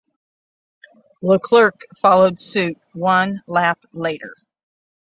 Leclerc followed suit one lap later.